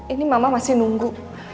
ini mama masih nunggu